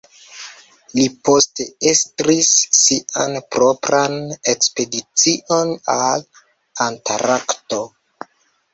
Li poste estris sian propran ekspedicion al Antarkto.